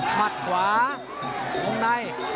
มัดขวาวงใน